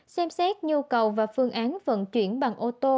xem xét nhu cầu và phương án vận chuyển bằng ô tô